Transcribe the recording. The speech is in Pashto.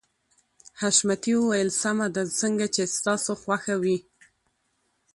حشمتي وويل سمه ده څنګه چې ستاسو خوښه وي.